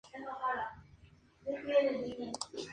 Esto crea un patrón que recuerda al de las arañas.